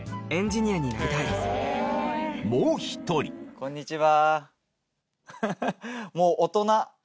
こんにちは。